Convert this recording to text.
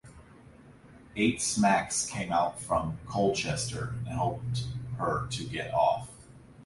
Eight smacks came out from Colchester and helped her to get off.